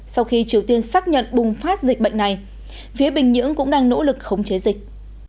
sau khi triều tiên xác nhận bùng phát dịch bệnh này phía bình nhưỡng cũng đang nỗ lực khống chế dịch